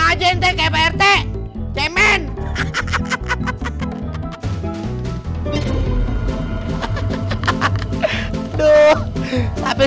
aduh benar benar itu hantu